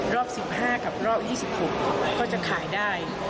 รอบ๑๕กับรอบ๒๖ก็จะขายได้